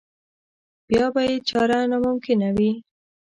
بیا به یې چاره ناممکنه وي.